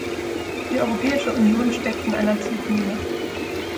Die Europäische Union steckt in einer Zwickmühle.